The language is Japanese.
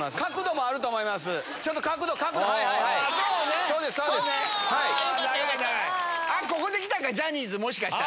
あっ、ここで来たか、ジャニーズ、もしかしたら。